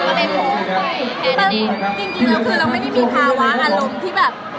ก็เลยจริงแล้วคือเราไม่ได้มีภาวะอารมณ์ที่แบบ